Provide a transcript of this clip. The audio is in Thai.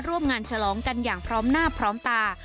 ร่วมงานฉลองกันอย่างพร้อมหน้าพร้อมตา